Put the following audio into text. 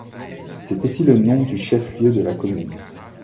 C'est aussi le nom du chef-lieu de la commune.